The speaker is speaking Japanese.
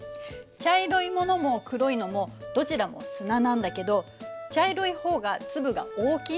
茶色いものも黒いのもどちらも砂なんだけど茶色い方が粒が大きいので先に沈むの。